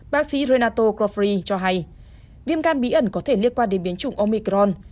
bác sĩ renato crofri cho hay viêm gan bí ẩn có thể liên quan đến biến chủng omicron